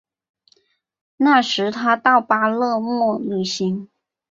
那时他到巴勒莫旅行。